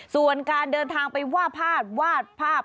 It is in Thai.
ส่วนการเดินทางไปวาดภาพ